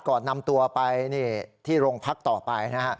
ก่อนนำตัวไปที่โรงพักต่อไปนะฮะ